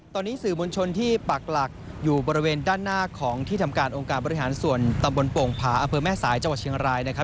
ตอนนี้สื่อมวลชนที่ปักหลักอยู่บริเวณด้านหน้าของที่ทำการองค์การบริหารส่วนตำบลโป่งผาอำเภอแม่สายจังหวัดเชียงรายนะครับ